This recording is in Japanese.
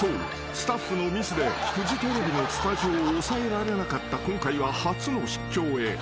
スタッフのミスでフジテレビのスタジオを押さえられなかった今回は初の出張へ］